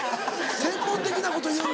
専門的なこと言うんだ。